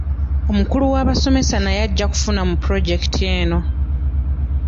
Omukulu w'abasomesa naye ajja kufuna mu pulojekiti eno.